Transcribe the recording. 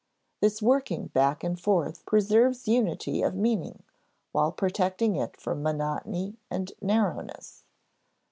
This working back and forth preserves unity of meaning, while protecting it from monotony and narrowness.